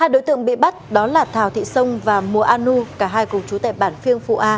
hai đối tượng bị bắt đó là thảo thị sông và mùa an nưu cả hai cùng chú tại bản phiêng phụ a